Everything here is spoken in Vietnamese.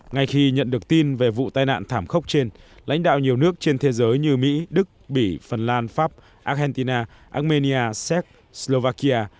ngay khi nhận được tin về vụ tai nạn thảm khốc trên lãnh đạo nhiều nước trên thế giới như mỹ đức bỉ phần lan pháp argentina armenia séc slovakia